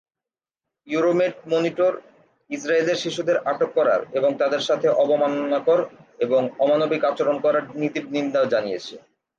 Euro-Med Monitor ইসরাইলের শিশুদের আটক করার এবং তাদের সাথে অবমাননাকর এবং অমানবিক আচরণ করার নীতির নিন্দা জানিয়েছে।